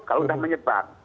kalau sudah menyebar